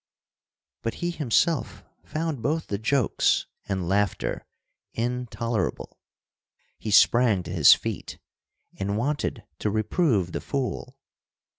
But he himself found both the jokes and laughter intolerable. He sprang to his feet and wanted to reprove the fool.